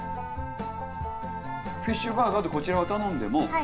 フィッシュバーガーってこちらを頼んでも。